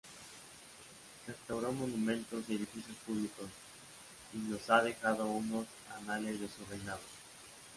Restauró monumentos y edificios públicos, y nos ha dejado unos "Anales" de su reinado.